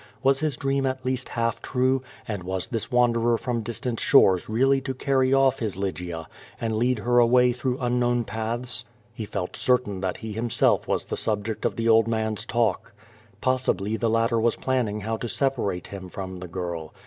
A\'as his dream at least half true, and wa3 this wanderer from distant shores really to carry off his Lygia and lead her away through unknown paths? He felt certain that he himself was the subject of the old man's talk. Possibly the latter was planning how to separate him from the girl.